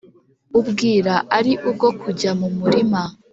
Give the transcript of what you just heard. ubwira ari ubwo kujya mu murima